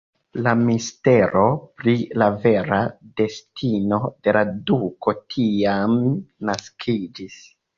La mistero pri la vera destino de la duko tiam naskiĝis.